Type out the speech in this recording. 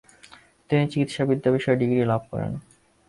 তিনি চিকিৎসাবিদ্যা বিষয়ে ডিগ্রি লাভ করেন।